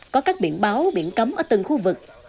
có các biển báo biển cấm ở từng khu vực